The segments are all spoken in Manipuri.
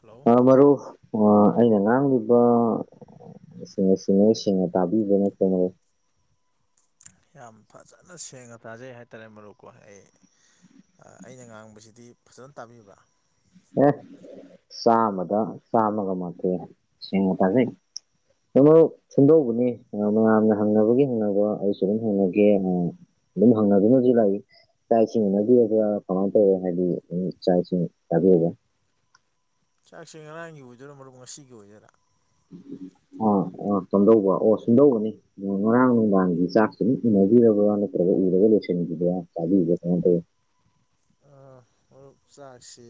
ꯍꯜꯂꯣ ꯃꯔꯨ ꯑꯩꯅ ꯉꯥꯡꯂꯤꯕ ꯁꯤꯁꯤꯡꯦ ꯁꯁꯤꯡꯉꯦ ꯁꯁꯤꯡꯉꯦ ꯇꯥꯕꯤꯕꯅ ꯇꯣꯔ ꯌꯥꯝ ꯐꯖꯅ ꯁꯦꯡꯅ ꯇꯥꯖꯩ ꯍꯥꯏꯇꯥꯔꯦ ꯃꯔꯨꯞꯀꯣ ꯑꯩ ꯑꯩꯅ ꯉꯥꯡꯕꯁꯤꯗꯤ ꯐꯖꯅ ꯇꯥꯕꯤꯕ꯭ꯔꯥ ꯑꯦ ꯆꯥꯃꯗ ꯆꯥꯃꯒ ꯃꯥꯇꯦ ꯁꯉ ꯇꯦ ꯃ ꯁꯨꯝꯗꯧꯕꯅꯤ ꯃꯌꯥꯝꯅ ꯍꯪꯅꯕꯒꯤ ꯍꯪꯅꯕ ꯑꯩꯁꯨ ꯑꯗꯨꯝ ꯍꯪꯅꯒꯦ ꯑꯗꯨꯝ ꯍꯪꯅꯗꯨꯅꯁꯨ ꯂꯥꯛꯏ ꯆꯥꯛ ꯏꯁꯤꯡꯅꯗꯤ ꯑꯗꯨꯒ ꯀꯃꯥꯏꯅ ꯇꯧꯋꯦ ꯍꯥꯏꯗꯤ ꯆꯥꯛ ꯏꯁꯤꯡ ꯆꯕꯤꯔꯕ ꯆꯥꯛꯁꯦ ꯉꯔꯥꯡꯒꯤ ꯑꯣꯏꯗꯣꯏꯔꯥ ꯃꯔꯨꯞ ꯉꯁꯤꯒꯤ ꯑꯣꯏꯗꯣꯏꯔꯥ ꯎꯝ ꯑꯥ ꯑꯣ ꯁꯣꯗꯧꯕ ꯑꯣ ꯁꯨꯝꯗꯧꯕꯅꯤ ꯉꯔꯥꯡ ꯅꯨꯡꯗꯥꯡꯒꯤ ꯆꯥꯛꯁꯨ ꯑꯗꯨꯝ ꯏꯅꯕꯤꯔꯕ꯭ꯔꯥ ꯅꯠꯇ꯭ꯔꯒ ꯎꯔꯒ ꯄꯨꯁꯦꯅꯤꯗ ꯆꯗꯤꯒ ꯀ ꯃꯔꯨꯞ ꯆꯥꯛꯁꯤ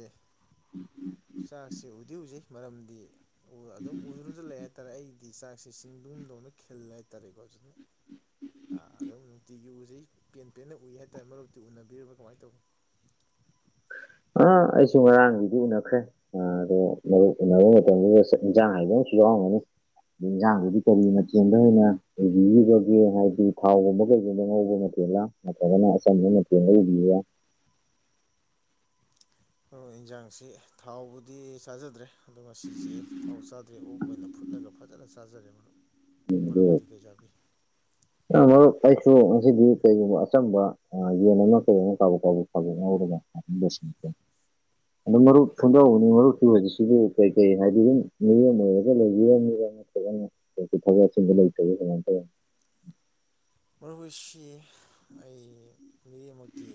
ꯎꯝ ꯎꯝ ꯎꯝ ꯆꯥꯛꯁꯤ ꯎꯗꯤ ꯎꯖꯩ ꯃꯔꯝꯗꯤ ꯑꯗꯨꯝ ꯎꯗꯨꯅꯁꯨ ꯂꯩ ꯍꯥꯏꯇꯥꯔꯦ ꯑꯩ ꯍꯥꯏꯗꯤ ꯆꯥꯛꯁꯤ ꯁꯤꯡꯗꯗꯧꯅ ꯈꯤꯜꯂꯦ ꯍꯥꯏꯇꯥꯔꯦꯀꯣ ꯑꯗꯨꯅ ꯑꯥ ꯑꯗꯨ ꯅꯨꯡꯇꯤꯒꯤꯨꯁꯤ ꯄꯦꯟ ꯄꯦꯟꯅ ꯎꯏ ꯍꯥꯏꯇꯥꯔꯦ ꯃꯔꯨꯞꯛꯇꯤ ꯎꯅꯕꯤꯔꯕ꯭ꯔꯥ ꯀꯃꯥꯏꯅ ꯇꯧꯏꯤ ꯎ [inaudible] ꯑ ꯑꯩꯁꯨ ꯉꯔꯥꯡꯒꯤꯗꯤ ꯎꯅꯈ꯭ꯔꯦ ꯑꯗꯣ ꯃꯔꯨꯞ ꯎꯅꯕ ꯃꯇꯝꯗꯨꯗ ꯏꯟꯖꯥꯡ ꯍꯥꯏꯗꯧ [inaudible] ꯏꯟꯁꯥꯡꯗꯨꯗꯤ ꯀꯔꯤ ꯃꯆꯦꯜꯗ ꯑꯣꯏꯅ ꯏꯕꯤꯔꯤꯕꯒꯦ ꯍꯥꯏꯕꯗꯤ ꯊꯥꯎꯒꯨꯝꯕ ꯀꯩꯒꯨꯝꯕ ꯉꯧꯕ ꯃꯇꯝ ꯦꯜꯂꯥ ꯅꯠꯇ꯭ꯔꯒꯅ ꯑꯆꯝꯕꯅ ꯇꯦꯜꯂ ꯎꯕꯤꯌ ꯑꯣ ꯏꯟꯁꯥꯡꯁꯤ ꯊꯥꯎꯕꯨꯗꯤ ꯆꯥꯖꯗ꯭ꯔꯦ ꯑꯗꯣ ꯃꯁꯤꯁꯦ ꯊꯥꯎ ꯆꯥꯗ꯭ꯔꯦ ꯑꯣꯛ ꯑꯣꯏꯅ ꯐꯨꯠꯂꯒ ꯐꯖꯅ ꯆꯥꯖꯔꯦ ꯃꯔ ꯃꯔꯨ ꯑꯗꯨ ꯑꯣꯏꯏꯗꯤ ꯀꯩ ꯆꯥꯕꯤ ꯃꯔꯨꯞ ꯑꯩꯁꯨ ꯉꯁꯤꯗꯤ ꯀꯩꯒꯨꯝꯕ ꯑꯆꯝꯕ ꯌꯦꯟ ꯑꯃ ꯀꯩ ꯑꯃ ꯀꯥꯎꯕ ꯀꯥꯎꯕ ꯐꯥꯎ ꯁꯇ ꯑ ꯃꯔꯨꯞ ꯁꯣꯟꯗꯎꯅꯤ ꯃꯔꯨꯞꯁꯨ ꯍꯧꯖꯤꯛꯁꯤꯗꯤ ꯀꯩꯀꯩ ꯍꯥꯏꯗꯤ ꯑꯗꯨꯝ ꯃꯤ ꯑꯃ ꯑꯣꯏꯔꯒ ꯂꯩꯕꯤꯔ ꯀꯣꯊꯕꯨ ꯂꯩꯃ ꯇ ꯃꯔꯨꯑꯣꯏꯁꯤ ꯑꯩ ꯃꯤꯔꯦꯝꯃꯨꯛꯇꯤ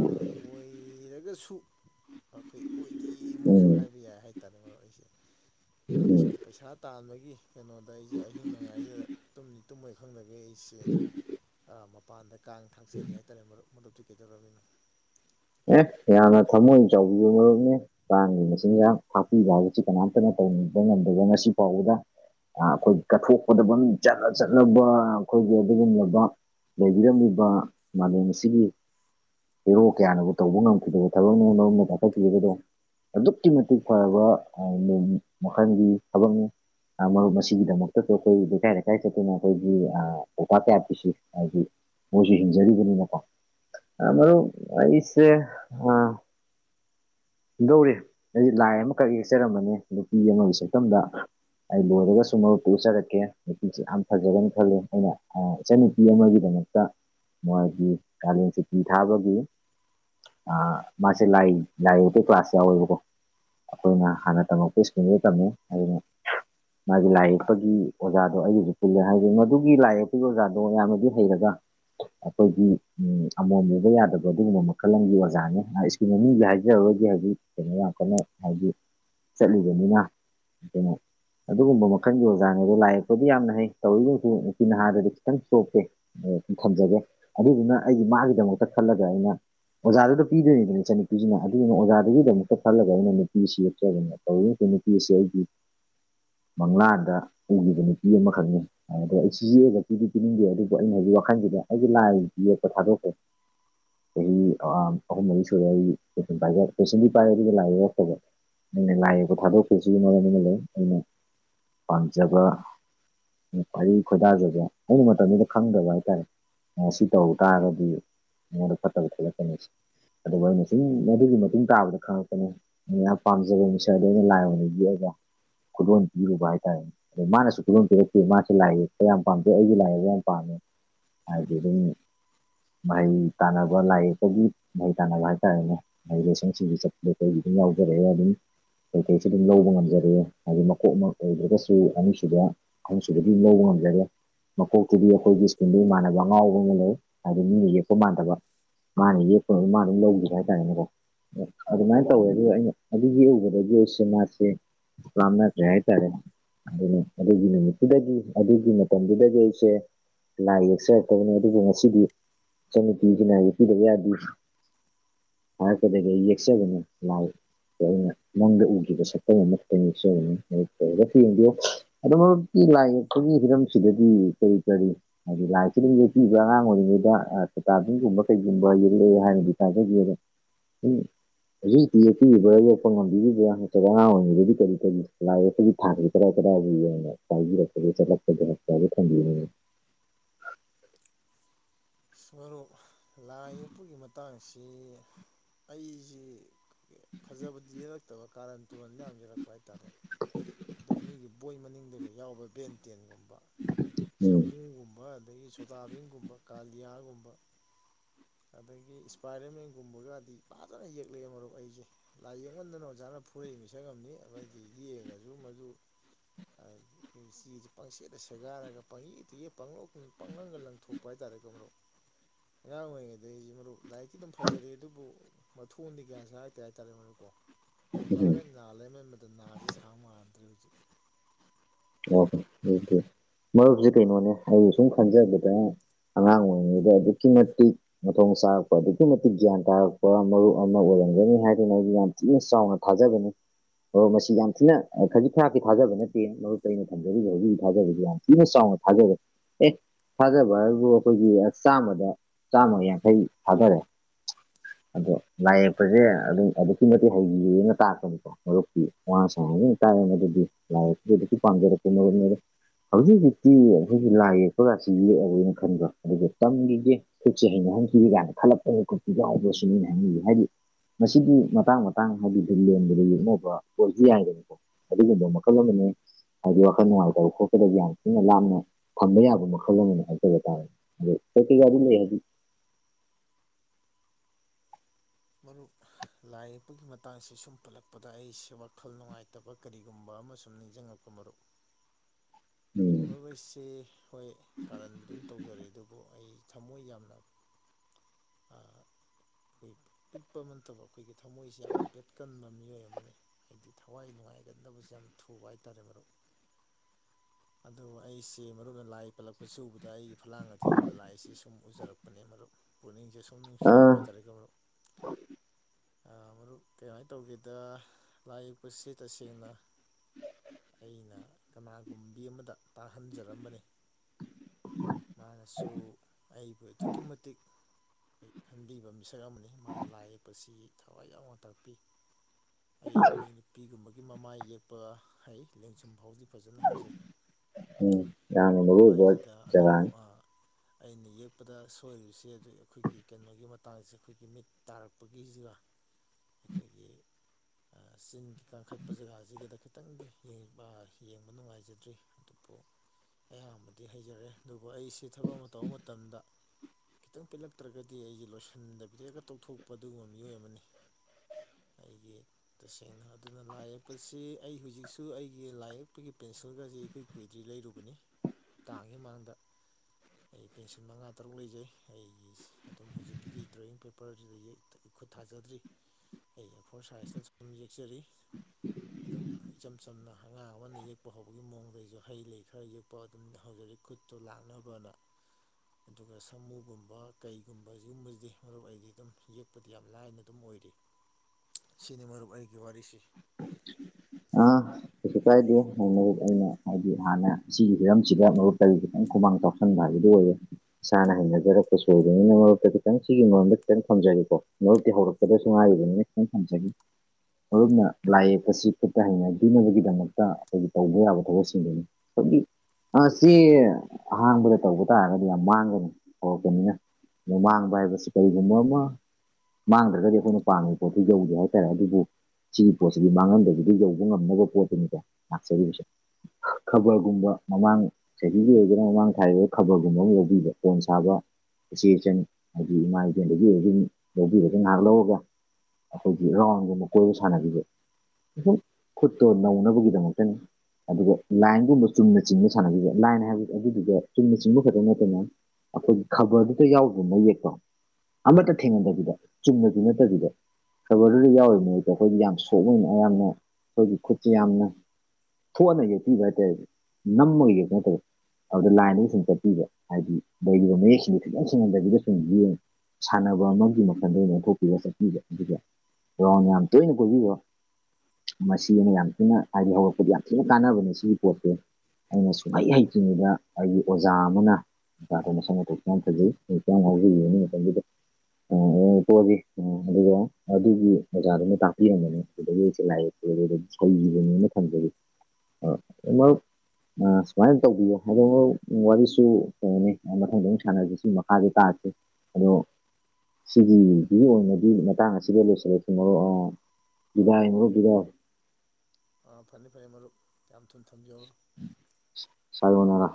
ꯑꯣꯏꯔꯒꯁꯨ ꯑꯩꯈꯣꯏ ꯑꯣꯏꯗꯤ ꯃꯨꯛꯁꯨ ꯎꯝ ꯍꯥꯏꯕ ꯌꯥꯏ ꯍꯥꯏ ꯍꯥꯏꯇꯥꯔꯦ ꯃꯔ ꯑꯩꯁꯦ ꯎꯝ ꯁꯨꯝ ꯄꯩꯁꯥ ꯇꯥꯟꯕꯒꯤ ꯀꯩꯅꯣꯗ ꯑꯩꯁꯦ ꯑꯍꯤꯡ ꯅꯣꯡꯌꯥꯏꯁꯤꯗ ꯇꯨꯝꯅꯤ ꯇꯨꯝꯃꯣꯏ ꯈꯪꯗꯕꯤꯦ ꯑꯩꯁꯦ ꯃꯄꯥꯟꯗ ꯀꯥꯡ ꯊꯥꯛꯆꯗꯦ ꯍꯥꯏꯇꯥꯔꯦꯨꯞ ꯃꯗꯨꯨꯞ ꯇꯤꯀꯦꯠ ꯇꯧꯔꯝꯃꯤꯅ ꯑꯦ ꯌꯥꯝꯅ ꯊꯃꯣꯏ ꯆꯥꯎꯕꯤꯕ ꯃꯔꯝꯅꯦ ꯀꯥꯡꯒꯤ ꯃꯁꯤꯡꯆꯤꯟꯖꯥꯛ ꯊꯥꯛꯄꯤꯕ ꯍꯥꯏꯕꯁꯤ ꯀꯅꯥꯝꯇꯅ ꯇꯕ ꯉꯝꯗꯕ ꯉꯁꯤ ꯐꯥꯎꯕꯗ ꯑꯩꯈꯣꯏ ꯀꯠꯊꯣꯛꯄꯗꯕꯝ ꯆꯠꯅ ꯆꯠꯅꯕ ꯑꯩꯈꯣꯏꯒꯤ ꯑꯗꯨꯒꯨꯝꯂꯕ ꯂꯩꯕꯤꯔꯝꯂꯤꯕ ꯃꯥꯂꯦꯝ ꯑꯁꯤꯒꯤ ꯍꯦꯔꯣ ꯀꯌꯥꯅꯕꯨ ꯇꯧꯕ ꯉꯝꯈꯤꯗꯕ ꯊꯕꯛꯅꯦ ꯃꯔꯝꯗ ꯇꯥꯈꯠꯈꯤꯕꯗꯣ ꯑꯗꯨꯛꯀꯤ ꯃꯇꯤꯛ ꯐꯔꯕ ꯃꯈꯜꯒꯤ ꯊꯕꯛꯅꯤ ꯃꯁꯤꯒꯤꯗꯃꯛꯇꯁꯨ ꯑꯩꯈꯣꯏ ꯂꯩꯀꯥꯏ ꯂꯩꯀꯥꯏ ꯆꯠꯇꯨꯅ ꯑꯩꯈꯣꯏꯒꯤ ꯎꯄꯥ ꯀꯌꯥꯀꯤꯁꯤ ꯍꯥꯏꯗꯤ ꯃꯣꯏꯁꯨ ꯍꯤꯡꯖꯔꯤꯕꯅꯤꯅꯀꯣ ꯃꯔꯨꯞ ꯑꯩꯁꯦ ꯑ ꯗꯧꯔꯤ ꯑꯩ ꯂꯥꯏ ꯑꯃꯈꯛ ꯌꯦꯛꯆꯔꯝꯕꯅꯤ ꯅꯨꯄꯤ ꯑꯃꯒꯤ ꯁꯛꯇꯝꯗ ꯑꯩ ꯂꯣꯏꯔꯒꯁꯨ ꯃꯔꯨꯞꯄ ꯎꯆꯔꯛꯀꯦ ꯅꯨꯄꯤꯁꯤꯦ ꯌꯥꯝ ꯐꯖꯔꯦꯅ ꯈꯂꯦ ꯑꯩꯅ ꯏꯆꯟꯟꯅꯨꯄꯤ ꯑꯃꯒꯤꯗ ꯛꯇ ꯃꯣꯏꯒꯤ ꯀꯥꯂꯦꯟ ꯆꯤꯄꯤꯤ ꯊꯥꯕꯒꯤ ꯑ ꯃꯥꯁꯦ ꯂꯥꯏ ꯂꯥꯏ ꯎꯛꯇꯩ ꯀ꯭ꯂꯥꯁ ꯌꯥꯎꯋꯦꯕꯀꯣ ꯑꯩꯈꯣꯏꯅ ꯍꯥꯟꯅ ꯇꯝꯃꯛꯄ ꯏꯁꯀꯜꯗꯨ ꯇꯝꯃꯤ ꯑꯗꯨꯅ ꯃꯥꯒꯤ ꯂꯥꯏ ꯌꯦꯛꯄꯒꯤ ꯑꯣꯖꯥꯗꯣ ꯑꯩꯒꯤꯁꯨ ꯄꯨꯤꯜꯂꯦ ꯍꯥꯏꯁ ꯃꯗꯨꯒꯤ ꯂꯥꯏ ꯌꯦꯛꯄꯒꯤ ꯑꯣꯖꯥꯗꯣ ꯑꯌꯥꯝꯅꯗꯤ ꯍꯩꯔꯒ ꯑꯩꯈꯣꯏꯒꯤ ꯎ ꯑꯃꯣꯝ ꯑꯣꯏꯕ ꯌꯥꯗꯕ ꯑꯗꯨꯒꯨꯝꯕ ꯃꯈ ꯈꯜꯂꯝꯒꯤ ꯑꯣꯖꯥꯅꯤ ꯁ꯭ꯀꯨꯜ ꯑꯅꯤꯒꯤ ꯍꯥꯏꯖꯔꯨꯔꯒꯗꯤ ꯍꯥꯏꯗꯤ ꯀꯩꯅꯣ ꯌꯥꯝ ꯀꯟꯅ ꯍꯥꯏꯗꯤ ꯆꯠꯂꯤꯕꯅꯤꯅꯅ ꯑꯗꯨꯒꯨꯝꯕ ꯃꯈꯜꯒꯤ ꯑꯣꯖꯥꯅꯦ ꯑꯗꯣ ꯂꯥꯏ ꯌꯦꯛꯄꯗꯤ ꯌꯥꯝꯅ ꯍꯩ ꯇꯧꯔꯤꯒꯁꯨ ꯄꯤ ꯅꯍꯥꯗꯗꯤ ꯈꯤꯇꯪ ꯆꯣꯛꯀꯦ ꯊꯝꯖꯒꯦ ꯑꯗꯨꯗꯨꯅ ꯑꯩꯒꯤ ꯃꯥꯒꯤꯗꯃꯛꯇ ꯈꯜꯂꯒ ꯑꯩꯅ ꯑꯣꯖꯥꯗꯨꯗ ꯄꯤꯗꯣꯏꯅꯤꯗꯅ ꯃꯆ ꯅꯨꯨꯄꯤꯁꯤꯅ ꯑꯗꯨꯗꯨꯅ ꯑꯣꯖꯥꯗꯨꯒꯤꯗꯃꯛꯇ ꯐꯜꯂꯒ ꯑꯩꯅ ꯅꯨꯄꯤ ꯌꯦꯞꯆꯕꯅꯤ ꯇꯧꯋ ꯅꯨꯄꯤ ꯁꯤ ꯑꯒꯤ ꯃꯪꯂꯥꯟꯗ ꯎꯈꯤꯕ ꯅꯨꯄꯤ ꯑꯃꯈꯛꯅꯤ ꯑꯗꯣ ꯑꯩ ꯁꯤ ꯌꯦꯛꯑꯕ ꯄꯗꯤ ꯄꯤꯅꯤꯡꯗꯦ ꯑꯗꯨꯕꯨ ꯑꯩꯅ ꯍꯧ ꯋꯥꯈꯜꯗꯨꯗ ꯑꯩꯁ ꯂꯥꯏ ꯌꯦꯛꯄ ꯊꯥꯗꯣꯛꯀꯦ ꯑꯩ ꯑ ꯑꯍꯨꯝ ꯁ ꯀꯦꯁꯗꯤ ꯄꯔꯦ ꯑꯗꯨ ꯂ ꯑꯩꯅ ꯂꯥꯏ ꯌꯦꯛꯕ ꯊꯥꯗꯣꯛꯄꯁꯤꯒꯤ ꯃꯔꯝ ꯑꯃ ꯂꯩ ꯑꯩꯅ ꯄꯥꯝꯖꯕ ꯎ ꯋꯥꯔꯤ ꯈꯣꯏꯗꯥꯖꯁꯦ ꯑꯩꯅ ꯃꯇꯝꯁꯤꯗ ꯈꯪꯗꯕ ꯍꯥꯏꯇꯥꯔꯦ ꯁꯤ ꯇꯧ ꯇꯥꯔꯒꯗꯤ ꯃꯉꯣꯟꯗ ꯐꯠꯇꯕ ꯊꯂꯛꯀꯅꯤ ꯑꯗꯨꯒ ꯃꯁꯤꯡ ꯃꯗꯨꯒꯤ ꯃꯇꯨꯡ ꯇꯥꯕꯗ ꯈꯪꯉꯛꯄꯅꯤ ꯑꯩꯅ ꯌꯥꯝ ꯄꯥꯝꯖꯕ ꯃꯤꯁꯔꯗ ꯑꯩꯅ ꯂꯥꯏ ꯑꯣꯏꯅ ꯑꯣꯏꯅ ꯌꯦꯛꯑꯒ ꯈꯨꯗꯣꯜ ꯄꯤꯔꯨꯕ ꯍꯥꯏꯇꯥꯔꯦ ꯑꯗꯣ ꯃꯥꯅꯁꯨ ꯈꯨꯗꯣꯜ ꯄꯤꯔꯛꯇ ꯃꯥꯁꯤ ꯂꯥꯏ ꯌꯦꯛꯇꯄ ꯌꯥꯝ ꯄꯥꯝꯖꯩ ꯑꯩꯒꯤ ꯂꯥꯏ ꯌꯦꯛꯛꯇ ꯌꯥꯝ ꯄꯥꯝꯃꯦ ꯑ ꯑꯗꯨ ꯃꯥꯏ ꯇꯥꯟꯅꯕ ꯂꯥꯏ ꯌꯦꯛꯄꯒꯤ ꯃꯍꯩ ꯇꯥꯟꯅꯕ ꯍꯥꯏꯇꯥꯥꯔꯦꯅꯦ ꯃꯍꯩ ꯂꯣꯏꯁꯪꯁꯤꯒꯤ ꯆꯠꯄꯗ ꯑꯩꯈꯣꯏꯒꯤ ꯑꯗꯨꯝ ꯌꯥꯎꯖꯔꯛꯑꯦ ꯑꯗꯨꯝ ꯀꯩꯀꯩꯁꯨ ꯑꯗꯨꯝ ꯂꯧꯕ ꯉꯝꯖꯔꯦ ꯍꯥꯏꯗꯤ ꯃꯀꯣꯛꯃꯛ ꯑꯣꯏꯗ꯭ꯔꯒꯁꯨ ꯑꯅꯤꯁꯨꯕ ꯑꯍꯁꯨꯕ ꯑꯗꯨꯝ ꯂꯧꯕ ꯉ ꯖꯦ ꯃꯀꯣꯛꯇꯨꯗꯤ ꯑꯩꯈꯣꯏꯒꯤ ꯁ꯭ꯀꯨꯜꯗ ꯏꯃꯥꯟꯅꯕ ꯑꯉꯥꯎꯕ ꯑꯃ ꯂꯩ ꯍꯥꯏꯗꯤ ꯃꯤꯅ ꯌꯦꯛꯄ ꯃꯥꯟꯗꯕ ꯃꯥꯅꯤꯣꯏ ꯃꯥꯅ ꯂꯧꯒ ꯍꯥꯏꯇꯥꯔꯦꯅꯦꯗꯣ ꯑꯗꯨꯃꯥꯏꯅ ꯇꯧꯋꯦ ꯑꯗꯨꯒ ꯑꯩꯅ ꯑꯗꯨꯒꯤ ꯎꯕꯗꯒꯤ ꯑꯣꯏ ꯁꯦ ꯃꯥꯁꯦ ꯔꯝꯅꯒ꯭ꯔꯔꯤ ꯍꯥꯏ ꯇꯔꯦ ꯑꯗꯨꯅ ꯑꯗꯨꯒꯤ ꯅꯨꯃꯤꯠꯇꯨꯗꯒꯤ ꯑꯗꯨꯒꯤ ꯃꯇꯝꯗꯨꯗꯒꯤ ꯑꯩꯁꯦ ꯂꯥꯏ ꯌꯦꯛꯆꯔꯛꯇꯕꯅꯤ ꯑꯗꯨꯕꯨ ꯉꯁꯤꯗꯤ ꯏꯆꯟꯅꯨꯄꯤꯁꯤꯅ ꯌꯦ ꯄꯤꯗꯕ ꯌꯥꯗꯦ ꯍ ꯀ ꯌꯦꯁ ꯑꯗꯨ ꯂꯜ ꯑꯩꯅ ꯃꯉꯗ ꯎꯈꯤꯕ ꯁꯛꯇꯝ ꯑꯃꯈꯛꯇꯪꯅꯤꯆ ꯑꯗꯨ ꯂꯥꯏ ꯌꯦꯛꯄꯒꯤ ꯍꯤꯔꯝꯁꯤꯗꯗꯤ ꯀꯔꯤ ꯀꯔꯤ ꯍꯥꯏꯗꯤ ꯂꯥꯏꯁꯤ ꯑꯗꯨꯝ ꯌꯦꯛꯄꯤꯕ ꯑꯉꯥꯡ ꯑꯣꯏꯔꯤꯉꯩꯗ ꯆꯥꯒꯨꯝꯕ ꯀꯩꯒꯨꯝꯕ ꯌꯦꯛꯂꯦ ꯍꯥꯏꯅꯗꯤ ꯇꯥꯖꯈꯤꯗ ꯍꯧꯖꯤꯛꯛꯇꯤ ꯌꯦꯛ ꯄꯤꯔꯤꯕ꯭ꯔꯥ ꯌꯣꯛꯄ ꯉꯝꯕꯤ ꯑꯉꯥꯡ ꯑꯣꯏꯉꯩꯗꯗꯤ ꯀꯔꯤ ꯀꯔꯤ ꯂꯥꯏ ꯌꯦꯛꯇꯗꯤ ꯊꯥ꯭ꯔꯥ ꯈꯔꯅ ꯄꯥꯏꯕꯤꯔꯛꯄꯗ ꯆꯠꯂꯛꯄꯗꯛꯛꯇꯗ ꯊꯝꯕꯤ ꯑ ꯁꯨꯞ ꯂꯥꯏ ꯌꯦꯛꯄꯒꯤ ꯃꯇꯥꯡꯁꯤ ꯑꯩꯁꯤ ꯐꯖꯕꯗꯤ ꯌꯦꯦꯜꯂꯛꯇꯕ ꯀꯥꯔꯟ ꯇꯨꯔꯟ ꯃ ꯌꯥꯝ ꯌꯦꯦꯜꯂꯛꯄ ꯍꯥꯏꯇꯥꯔꯦ ꯑꯗꯨ ꯃꯤꯒꯤ ꯕꯣꯏ ꯃꯅꯤꯡꯗꯒ ꯌꯥꯎꯕ ꯕꯦꯟ ꯇꯦꯟꯒꯨꯝꯕ ꯁꯥꯃꯨꯒꯨꯝꯕ ꯑꯗꯒꯤ ꯁꯣꯇꯥꯕꯤꯟꯒꯨꯝꯕ ꯀꯥꯂꯤꯌꯥꯒꯨꯝꯕ ꯑꯗꯒꯤ ꯏꯁꯄꯥꯏꯔꯃꯦꯟꯒꯨꯝꯕꯒꯗꯤ ꯐꯖꯅ ꯌꯦꯛꯂꯛꯑꯦ ꯃꯔꯨꯞ ꯑꯩꯁꯦ ꯂꯥꯏ ꯌꯦꯛꯃꯟꯗꯅ ꯑꯣꯖꯥ ꯅ ꯐꯨꯔꯛꯏ ꯃꯤꯁꯛ ꯑꯃꯅꯤ ꯍꯥꯏꯗꯤ ꯌꯦꯡꯉꯁꯨ ꯃꯗꯨ ꯑꯩꯈꯣꯏ ꯆꯦꯁꯤꯦ ꯄꯪꯁꯦꯗ ꯁꯦꯒꯥꯏꯔꯒ ꯄꯪ ꯏꯛꯇ ꯄꯪꯂꯪꯒ ꯂꯪꯊꯣꯛꯄ ꯄ ꯍꯥꯏꯇꯥꯔꯦꯀꯣ ꯃꯔꯨꯞ ꯑꯉꯥꯡ ꯑꯣꯏꯔꯤꯉꯩꯗꯒꯤ ꯍꯧꯁꯤ ꯃꯔꯨꯞ ꯂꯥꯏꯔꯤꯛꯛꯇ ꯑꯗꯨꯝ ꯐꯖꯔꯤ ꯑꯗꯨꯕꯨ ꯃꯊꯣꯟꯗꯤ ꯀꯌꯥꯁꯨ ꯍꯥꯏꯇꯦ ꯍꯥꯏꯇꯥꯔꯦ ꯃꯣꯏ ꯀꯣ ꯑꯣꯖꯥꯒ ꯅꯥ ꯂꯩꯃꯟꯕꯗ ꯁꯦ ꯁꯥꯡ ꯃꯥꯟꯗ꯭ꯔꯦ ꯍꯧꯖꯤꯛ ꯑ ꯍꯣ ꯑꯣꯀꯦ ꯃꯔꯨꯞꯁꯤꯦ ꯀꯩꯅꯣꯅꯦ ꯑꯩ ꯁꯨꯝ ꯈꯟꯖꯕꯗ ꯑꯉꯥꯡ ꯑꯣꯏꯔꯤꯉꯩꯗ ꯑꯗꯨꯛꯀꯤ ꯃꯇꯤꯛ ꯃꯣꯡ ꯆꯥꯔꯛꯄ ꯑꯗꯨꯛꯀꯤ ꯃꯇꯤꯛ ꯒ꯭ꯌꯥꯟ ꯇꯥꯔꯛꯄ ꯃꯔꯨꯞ ꯑꯃ ꯑꯣꯏꯔꯛꯄ ꯆꯡꯒꯅꯤ ꯍꯥꯏꯗꯅ ꯑꯩꯗꯤ ꯌꯥꯝ ꯊꯤꯅ ꯆꯥꯎꯅ ꯊꯥꯖꯕꯅꯤ ꯑꯣ ꯃꯁꯤ ꯌꯥꯝ ꯊꯤꯅ ꯈꯖꯤꯛ ꯈꯔꯇꯤ ꯐꯥꯖꯕ ꯅꯠꯇꯦ ꯃꯔ ꯑꯩꯅ ꯊꯝꯖꯔꯤꯁꯦ ꯍꯧꯖꯤꯛ ꯊꯥꯖꯕꯗꯤ ꯌꯥꯝ ꯊꯤꯅ ꯆꯥꯎꯅ ꯊꯥꯖꯕ ꯑꯦ ꯊꯥꯖꯕ ꯍꯥꯏꯕꯨ ꯑꯩꯈꯣꯏꯒꯤ ꯑꯁ ꯆꯥꯝꯃꯗ ꯆꯥꯝꯃ ꯌꯥꯡꯈꯩ ꯊꯥꯗꯔꯦ ꯑꯗꯣ ꯂꯥꯏ ꯌꯦꯛꯄꯁꯦ ꯑꯗꯨꯝ ꯑꯗꯨꯛꯀꯤ ꯃꯇꯤꯛ ꯍꯩꯕꯤꯅ ꯇꯥꯛꯄꯅꯤꯀꯣ ꯃꯔꯨꯞꯀꯤ ꯋꯥ ꯁꯉ ꯇꯥꯅ ꯑꯗꯨꯗꯤ ꯂ ꯄꯗꯔ ꯍꯧꯖꯤꯛ ꯍꯧꯖꯤꯛꯇꯤ ꯑꯩꯈꯣꯏꯒꯤ ꯂꯥꯏ ꯌꯦꯛꯄꯒ ꯁꯤ ꯌꯦꯛꯑꯔꯣꯏꯅ ꯈꯟꯕ꯭ꯔ ꯑꯗꯨꯒ ꯇꯝꯒꯤꯁꯦ ꯍꯧꯖꯤꯛꯁꯦ ꯍꯩꯅ ꯪ ꯀꯥꯏꯅ ꯈꯜꯂꯛꯄꯒ ꯈꯣꯠꯄꯤ ꯌꯥꯥꯎꯗ꯭ꯔꯁꯨꯅꯦ ꯑꯅ ꯍꯥꯏꯅꯤꯡꯦ ꯍꯥꯏꯗꯤ ꯃꯁꯤꯗꯤ ꯃꯇꯥꯡ ꯃꯇꯥꯡ ꯍꯥꯏꯗꯤꯗꯤ ꯂꯦꯟꯗꯨꯗ ꯌꯦꯛꯅꯕ ꯄꯣꯠꯁꯨ ꯌꯥꯏꯗꯕꯀꯣ ꯑꯗꯨꯒꯨꯝꯕ ꯃꯈꯜ ꯑꯃꯅꯤ ꯎꯝ ꯍꯥꯏꯗꯤ ꯋꯥꯈꯜ ꯅꯨꯡꯉꯥꯏꯇꯕ ꯈꯣꯠꯄꯗꯗꯒꯤ ꯌꯥꯝ ꯊꯤꯅ ꯂꯥꯞꯅ ꯊꯝꯕ ꯌꯥꯕ ꯃꯈꯜ ꯑꯃꯅꯤ ꯍꯥꯏꯖꯕ ꯇꯥꯔꯦꯅꯦ ꯑꯗꯨ ꯊꯦꯇꯤ ꯀꯗꯤ ꯂꯩ ꯍꯥꯏꯗꯤ ꯃꯔꯨꯞ ꯂꯥꯏ ꯌꯦꯛꯄꯒꯤ ꯃꯇꯥꯡꯁꯦ ꯁꯨꯝ ꯄꯜꯂꯛꯄꯗ ꯑꯩꯁꯦ ꯋꯥꯈꯜ ꯅꯨꯡꯉꯥꯏꯇꯕ ꯀꯔꯤꯒꯨꯝꯕ ꯑꯃꯁꯨꯡ ꯅꯤꯡꯁꯤꯡꯉꯛꯄ ꯃꯔꯨꯞ [inaudible] ꯑꯣꯏꯁꯤ ꯍꯣꯏ ꯀꯥꯔꯟꯕꯨꯗꯤ ꯑꯗꯨꯝ ꯇꯧꯖꯔꯦ ꯑꯗꯨꯕꯨ ꯑꯩ ꯊꯃꯣꯏ ꯌꯥꯝꯅ [inaudible] ꯑꯩꯈꯣꯏ ꯑꯄꯤꯛꯄ ꯅꯠꯇꯕ ꯑꯩꯈꯣꯏꯒꯤ ꯊꯝꯃꯣꯏꯁꯤ ꯌꯥꯝꯅ ꯄꯦꯠꯀꯟꯕ ꯃꯤꯑꯣꯏ ꯑꯃꯅꯤ ꯍꯥꯏꯗꯤ ꯊꯋꯥꯏ ꯅꯨꯡꯉꯥꯏ ꯉꯥꯏꯒꯟꯅꯕꯁꯦ ꯌꯥꯝ ꯊꯨꯕ ꯍꯥꯏꯇꯥꯔꯦ ꯃꯔꯨꯞ [inaudible] ꯑꯗꯣ ꯑꯩꯁꯦ ꯃꯔꯨꯞ ꯑꯣꯏꯅ ꯂꯥꯏ ꯄꯜꯂꯛꯄꯁꯤ ꯎꯕꯗ ꯑꯩꯒꯤ ꯐꯂꯥꯡꯅ ꯊꯦꯜꯂꯤꯕ ꯂꯥꯏ ꯑꯁꯤ ꯁꯨꯝ ꯎꯖꯔꯛꯄꯅꯦ ꯃꯔꯨꯞ ꯄꯨꯛꯅꯤꯡꯁꯦ ꯁꯨꯝ ꯑ ꯅꯨꯡꯁꯤꯔꯛꯄ ꯍꯥꯏꯇꯥꯔꯦꯒ ꯃꯔꯨꯞ ꯃꯔꯨꯞ ꯀꯩꯃꯥꯏꯅ ꯇꯧꯒꯦꯗ ꯂꯥꯏ ꯌꯦꯛꯄꯁꯤ ꯇꯁꯦꯡꯅ ꯑꯩꯅ ꯀꯅꯥꯒꯨꯝꯕꯤ ꯑꯃꯗ ꯇꯥꯡꯍꯟꯖꯔꯝꯕꯅꯤ ꯃꯥꯅꯁꯨ ꯑꯩꯕꯨ ꯑꯗꯨꯛꯀꯤ ꯃꯇꯤꯛ ꯑꯩꯈꯣꯏ ꯈꯟꯕꯤꯕ ꯃꯤꯁꯛ ꯑꯃꯅꯤ ꯃꯥꯅ ꯂꯥꯏ ꯌꯦꯛꯄꯁꯤ ꯊꯋꯥꯏ ꯌꯥꯎꯅ ꯇꯥꯛꯄꯤ ꯑꯩ ꯃꯤ ꯅꯨꯄꯤꯒꯨꯝꯕꯒꯤ ꯃꯃꯥꯏ ꯌꯦꯛꯄ ꯍꯩ ꯂꯦꯡꯁꯤꯨꯝ ꯐꯥꯎꯗꯤ ꯐꯖꯅ ꯍꯩꯖꯩ ꯎꯝ ꯌꯥꯝꯠ ꯃꯃꯥꯏꯁꯤꯗ ꯑꯗꯨꯕꯨ ꯆꯕꯅꯤ ꯑꯩꯅ ꯌꯦꯛꯄꯗ ꯁꯣꯏꯔꯤꯕꯁꯦ ꯑꯗꯨ ꯑꯩꯈꯣꯏꯒꯤ ꯀꯩꯅꯣꯒꯤ ꯃꯇꯥꯡꯁꯦ ꯑꯩꯈꯣꯏꯒꯤ ꯃꯤꯠ ꯇꯥꯔꯛꯄꯒꯤꯁꯤꯒ ꯑꯩꯈꯣꯏꯒꯤ ꯆꯤꯡꯒꯤ ꯀꯥꯡꯈꯠꯄ ꯖꯒꯥꯁꯤꯒꯗ ꯈꯤꯇꯪꯗꯤ ꯌꯦꯡꯕ ꯅꯨꯡꯉꯥꯏꯖꯗ꯭ꯔꯤ [inaudible] ꯑꯌꯥꯝꯕꯗꯤ ꯍꯩꯖꯔꯦ ꯑꯗꯨꯕꯨ ꯑꯩꯁꯤ ꯊꯕꯛ ꯑꯃ ꯇꯧꯕ ꯃꯇꯝꯗ ꯈꯤꯇꯪ ꯄꯦꯜꯂꯛꯇ꯭ꯔꯒꯗꯤ ꯑꯩꯁꯦ ꯂꯣꯏꯁꯤꯟꯗꯕꯤꯗꯒ ꯇꯧꯊꯣꯛꯄ ꯑꯗꯨꯒꯨꯝꯕ ꯃꯤꯑꯣꯏ ꯑꯃꯅꯤ ꯑꯩꯒꯤ ꯇꯁꯦꯡꯅ ꯑꯗꯨꯅ ꯂꯥꯏ ꯌꯦꯛꯄꯁꯤ ꯑꯩ ꯍꯧꯖꯤꯛꯁꯨ ꯑꯩꯒꯤ ꯂꯥꯏ ꯌꯦꯛꯄꯒꯤ ꯄ ꯅꯦꯁꯅꯦꯜ ꯒꯥꯁꯤ ꯏꯀꯨꯏ ꯀꯨꯏꯗ꯭ꯔꯤ ꯂꯩꯔꯨꯕꯅꯤ ꯍꯞꯇꯃꯉꯥꯒꯤ ꯃꯃꯥꯡꯗ ꯑꯩ ꯄꯦꯟꯁꯤꯜ ꯃꯉꯥ ꯇꯔꯨꯛ ꯂꯩꯖꯩ ꯑꯩꯒꯤ ꯑꯗꯨꯝ ꯍꯧꯖꯤꯛꯀꯤꯗꯤ ꯗ꯭ꯔꯣꯌꯤꯡ ꯄꯦꯄꯔꯁꯤꯗꯒꯤ ꯊꯥꯖꯗ꯭ꯔꯤ ꯑꯩ ꯐꯣꯔ ꯁꯥꯏꯁꯇ ꯁꯨꯝ ꯌꯦꯛꯆꯔꯤ ꯑꯗꯨꯝ ꯏꯆꯝ ꯆꯝꯅ ꯑꯉꯥꯡ ꯑꯃꯅ ꯌꯦꯛꯄ ꯍꯧꯕꯒꯤ ꯃꯑꯣꯡꯗꯁꯨ ꯍꯩ ꯂꯩ ꯈꯔ ꯌꯦꯛꯄ ꯑꯗꯨꯝ ꯍꯧꯖꯔꯛ ꯑꯗꯩ ꯈꯨꯠꯇꯨ ꯂꯥꯡꯅꯕꯅ [inaudible] ꯑꯗꯨꯒ ꯁꯥꯃꯨꯒꯨꯝꯕ ꯀꯩꯒꯨꯝꯕ ꯁꯤꯒꯨꯝꯕꯁꯤꯗꯤ ꯃꯔꯨꯞ ꯑꯩꯗꯤ ꯑꯗꯨꯝ ꯌꯦꯛꯄꯗꯤ ꯌꯥꯝ ꯂꯥꯏꯅ ꯑꯗꯨꯝ ꯑꯣꯏꯔꯤ [inaudible] ꯁꯤꯅꯤ ꯃꯔꯨꯞ ꯑꯩꯒꯤ ꯋꯥꯔꯤꯁꯤ ꯎ [unintelligible] ꯑ ꯀꯩꯁꯨ ꯀꯥꯏꯗꯦ ꯍꫭꯏ ꯃꯔꯞ ꯑꯩꯅ ꯍꯥꯏꯗꯤ ꯍꯥꯟꯅ ꯁꯤꯒꯤ ꯐꯤꯕꯝꯁꯤꯗ ꯃꯔꯨꯨꯞꯇꯒꯤ ꯈꯤꯇꯪ ꯁꯪ ꯈꯨꯃꯥꯡ ꯆꯥꯎꯁꯟꯕ ꯍꯥꯏꯕꯗꯨ ꯑꯣꯏꯌꯦ ꯏꯁꯥꯅ ꯍꯩꯅꯖꯔꯛꯄꯁꯨ ꯑꯣꯏꯕꯅꯤꯅ ꯃꯔꯨꯞꯛꯇ ꯈꯤꯇꯪ ꯁꯤꯒꯤ ꯃꯔꯝꯗ ꯈꯤꯇꯪ ꯊꯝꯖꯒꯦ ꯃꯔꯨꯞꯇꯤ ꯍꯧꯔꯛꯄꯗꯁꯨꯉꯥꯏ ꯅꯤꯅ ꯈꯤꯇꯪ ꯊꯝꯖꯒꯦ ꯃꯔꯞꯅ ꯂꯥꯏ ꯌꯦꯛꯄ ꯑꯁꯤ ꯈꯨꯠꯇ ꯍꯩꯅꯕꯤꯅꯕꯒꯤꯗꯃꯛꯇ ꯑꯩꯈꯣꯏꯒꯤ ꯇꯧꯕ ꯌꯥꯕ ꯊꯕꯛꯁꯤꯡꯗꯨꯅꯤ ꯑꯩꯈꯣꯏꯒꯤ ꯑ ꯁꯤ ꯑꯍꯥꯡꯕꯗ ꯇꯧꯕ ꯇꯥꯔꯒꯗꯤ ꯌꯥꯝ ꯃꯥꯡꯒꯅꯤ ꯍꯧꯔꯛꯄꯅꯤꯅ ꯃ ꯃꯥꯡꯚꯥꯏ ꯄ ꯀꯩ ꯉꯨꯝꯃꯃ [unintelligible] ꯃꯥꯡꯗ꯭ꯔꯒꯗꯤ ꯑꯩꯈꯣꯏꯅ ꯄꯥꯡꯃꯤꯕ ꯄꯣꯠꯇꯨ ꯌꯧꯗꯦ ꯍꯥꯏꯇꯥꯔꯦ ꯑꯗꯨꯕꯨ ꯁꯤ ꯄꯣꯠꯁꯤꯗꯤ ꯃꯥꯡꯍꯟꯗꯕꯗꯤ ꯌꯧꯕ ꯉꯝꯅꯕ ꯄꯣꯠꯇꯨꯅꯤꯀꯣ ꯂꯥꯛꯆꯔꯤꯕꯁꯦ ꯈꯕꯔꯒꯨꯝꯕ ꯃꯃꯥꯡ ꯆꯍꯤꯒꯤ ꯑꯣꯏꯒꯗꯅꯥ ꯃꯃꯥꯡ ꯊꯥꯗ ꯈꯕꯔꯒꯨꯝꯕ ꯑꯃ ꯂꯧꯕꯤꯕ ꯀꫭꯟ ꯁꯥꯕ ꯏꯆꯦ ꯏꯆꯅꯤ ꯍꯥꯏꯗꯤ ꯏꯃꯥ ꯏꯕꯦꯜꯗꯒꯤ ꯑꫭꯏꯌꯁꯨ ꯂꯧꯕꯤꯔꯗ ꯉꯥꯏꯍꯥꯛ ꯂꯧꯔꯒ ꯑꯩꯈꯣꯏꯒꯤ ꯔꯥꯎꯟꯒꯨꯝꯕ ꯀꯣꯏꯕ ꯁꯥꯟꯅꯕꯤꯕ ꯈꯨꯠꯇꯣ ꯅꯧꯅꯕꯒꯤꯗꯃꯛꯇꯅꯤ ꯑꯗꯨꯒ ꯂꯥꯏꯟꯒꯨꯝꯕ ꯆꯨꯝꯅ ꯆꯤꯡꯕ ꯁꯥꯟꯅꯕꯤꯕ ꯂꯥꯏꯟ ꯍꯥꯏꯕ ꯑꯗꯨꯗꯨꯒ ꯆꯨꯝꯅ ꯆꯤꯡꯕ ꯈꯛꯇꯪ ꯅꯠꯇꯅ ꯑꯩꯈꯣꯏꯒꯤ ꯈꯕꯔꯗꯨꯇ ꯌꯥꯎꯔꯤꯕ ꯃꯌꯦꯛꯇꯣ ꯑꯃꯠꯇ ꯊꯦꯡꯅꯗꯕꯤꯗ ꯆꯨꯝꯅꯗꯤ ꯅꯠꯇꯕꯤꯗ ꯈꯕꯔꯗꯨꯗ ꯌꯥꯎꯔꯤꯕ ꯃꯌ‌ꯦꯛꯇꫭ ꯑꯩꯈꯣꯏꯅ ꯌꯥꯝ ꯄ ꯑꯣꯏꯅ ꯌꯥꯝꯅ ꯑꯩꯈꯣꯏꯒꯤ ꯈꯨꯠꯁꯤ ꯌꯥꯝꯅ ꯊꫭꯠꯅ ꯌꯦꯄꯤꯕ ꯍꯥꯏꯇꯥꯔꯦ ꯅꯝꯃꯒ ꯌ‌ꯦꯛꯄ ꯅꯠꯇꯕ ꯑꯗꯨꯗ ꯂꯥꯏꯗꯨꯗ ꯁꯨꯝ ꯆꯠꯄꯤꯕ ꯍꯥꯏꯗꯤ ꯂꯩꯔꯤꯕ ꯃꯌꯦꯛꯁꯤꯡꯗꯨ ꯈꯤꯇꯪ ꯁꯦꯡꯍꯟꯗꯕꯤꯗ ꯁꯨꯝ ꯌꯦꯡꯉꯤ ꯁꯥꯟꯅꯕ ꯑꯃꯒꯤ ꯃꯈꯟꯗ ꯑꯣꯏꯅ ꯌ‌ꯦꯛꯊꯣꯛꯄꯤꯔꯒ ꯆꯠꯄꯤꯕ ꯑꯗꯨꯒ ꯔꯥꯎꯟ ꯌꯥꯝ ꯇꯣꯏꯅ ꯀꯣꯏꯕꯤꯕ ꯃꯁꯤꯅ ꯌꯥꯝ ꯊꯤꯅ ꯍꯥꯏꯗꯤ ꯍꯧꯔꯛꯄꯗ ꯌꯥꯝ ꯊꯤꯅ ꯀꯥꯟꯅꯕꯅꯦ ꯁꯤꯒꯤ ꯄꯣꯠꯁꯦ ꯑꯩꯅ ꯁꯨꯡꯍꯩ ꯍꯩꯇ꯭ꯔꯤꯉꯩꯗ ꯑꯩꯒꯤ ꯑꯣꯖꯥ ꯑꯃꯅ ꯑꯖꯥꯗꫭ ꯃꯁꯛ ꯃꯇꯧꯁꯨ ꯌꯥꯝ ꯐꯖꯩ ꯑꯩꯅꯁꯨ ꯌꯥꯝ ꯉꯥꯎꯖꯥꯒꯤꯕꯅꯤ ꯃꯇꯝꯗꯨꯗ ꯄꯣꯛꯑꯒ ꯑꯗꯨꯒ ꯑꯗꯨꯒꯤ ꯑꯣꯖꯥꯗꯨꯅ ꯇꯥꯛꯄꯤꯔꯝꯝꯕꯅꯦ ꯑꯗꯨꯗꯒꯤ ꯑꯩꯁꯦ ꯂꯥꯏ ꯌꯦꯛꯄ ꯍꯩꯈꯤꯕꯅꯦꯅ ꯊꯝꯖꯒ‌ꯦ ꯑꯥ ꯃꯔꯨꯞ ꯑꯥ ꯁꯨꯃꯥꯏꯅ ꯑꯗꯨꯝ ꯇꯧꯕꯤꯌꯨ ꯑꯗꫭꯗ ꯃꯔꯨꯞ ꯋꯥꯔꯤꯁꯨ ꯀꯩꯅꯣꯅꯤ ꯃꯊꯪꯗ ꯑꯃꯨꯛ ꯁꯥꯟꯅꯔꯁꯤ ꯁꯤ ꯃꯈꯥꯗ ꯇꯥꯛꯁꯤ ꯑꯗꯣ ꯁꯤꯒꯤꯒꯤ ꯑꯣꯏꯅꯗꯤ ꯃꯇꯥꯡ ꯑꯁꯤꯗ ꯂꯣꯏꯁꯤꯜꯂꯁꯤ ꯃꯔꯨꯞ ꯑꯥ ꯗꯥꯉ ꯄꯗꯥ [unintelligible] ꯑꯥ ꯐꯅꯤ ꯐꯅꯤ ꯃꯔꯨꯞ ꯌꯥꯝ ꯊꯨꯅ ꯊꯝꯕꯤꯍꯧꯔꫭ ꯁꯌꫭꯟꯅꯔꯥ